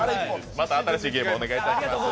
また新しいゲームお願いいたします。